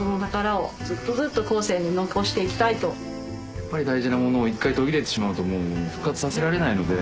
やっぱり大事なものを一回途切れてしまうともう復活させられないので。